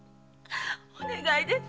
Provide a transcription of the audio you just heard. お願いです。